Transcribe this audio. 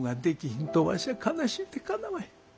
んとわしは悲しいてかなわへん。